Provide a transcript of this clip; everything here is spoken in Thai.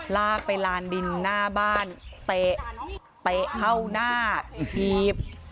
ลากไปลานดินหน้าบ้านเตะเตะเข้าหน้าหีบ